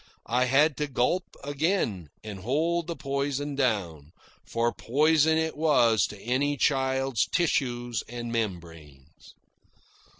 I had to gulp again and hold the poison down, for poison it was to my child's tissues and membranes.